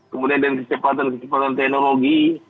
kemudian dengan kecepatan kecepatan teknologi